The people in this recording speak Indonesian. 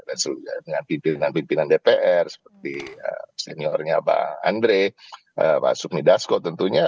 seluruhnya dengan pimpinan pimpinan dpr seperti seniornya pak andre pak supni dasko tentunya